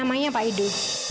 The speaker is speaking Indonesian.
namanya pak idu